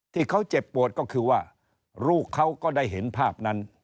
ที่เขาเจ็บปวดก็คือว่าลูกเขาก็ได้เห็นภาพนั้น